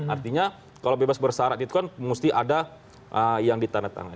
artinya kalau bebas bersarat itu kan mesti ada yang ditandatangani